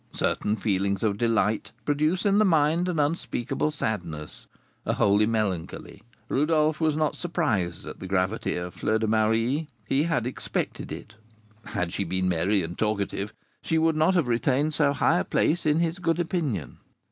Certain feelings of delight produce in the mind an unspeakable sadness, a holy melancholy. Rodolph was not surprised at the gravity of Fleur de Marie; he had expected it. Had she been merry and talkative, she would not have retained so high a place in his good opinion.